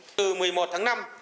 từ một mươi một tháng năm